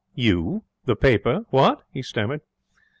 'You The paper? What?' he stammered.